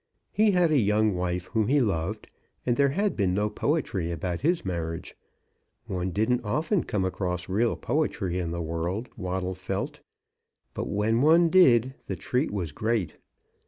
He had a young wife whom he loved, but there had been no poetry about his marriage. One didn't often come across real poetry in the world, Waddle felt; but when one did, the treat was great.